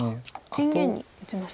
天元に打ちました。